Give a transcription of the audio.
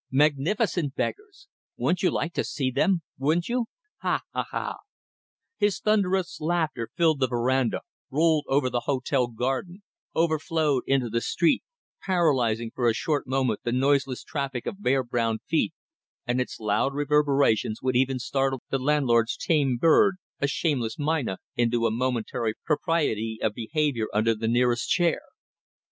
Magnificent beggars! Wouldn't you like to see them? Wouldn't you! Ha! ha! ha!" His thunderous laughter filled the verandah, rolled over the hotel garden, overflowed into the street, paralyzing for a short moment the noiseless traffic of bare brown feet; and its loud reverberations would even startle the landlord's tame bird a shameless mynah into a momentary propriety of behaviour under the nearest chair.